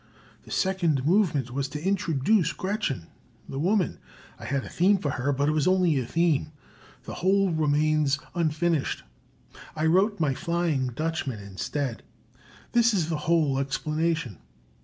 The second movement was to introduce Gretchen, the woman. I had a theme for her, but it was only a theme. The whole remains unfinished. I wrote my 'Flying Dutchman' instead. This is the whole explanation.